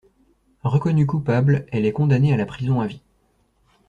Reconnue coupable, elle est condamnée à la prison à vie.